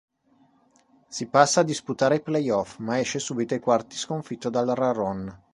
Si passa a disputare i playoff, ma esce subito ai quarti sconfitto dal Raron.